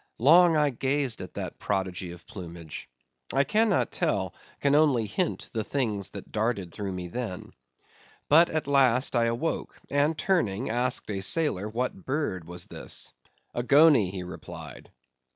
Long I gazed at that prodigy of plumage. I cannot tell, can only hint, the things that darted through me then. But at last I awoke; and turning, asked a sailor what bird was this. A goney, he replied.